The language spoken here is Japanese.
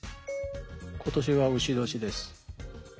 「今年は丑年です」。